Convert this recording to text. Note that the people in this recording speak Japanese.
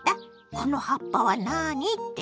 「この葉っぱは何」って？